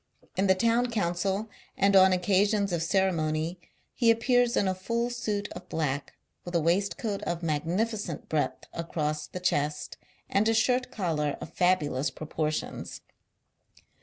In the Town Council and on occasions •of ceremony, he appears in a full suit of black, with a waistcoat of magnificent breadth across the chest, and a shirt collar of fabulous proportions.